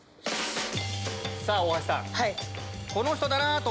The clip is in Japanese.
さぁ大橋さん。